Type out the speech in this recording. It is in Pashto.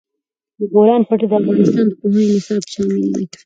د بولان پټي د افغانستان د پوهنې نصاب کې شامل دي.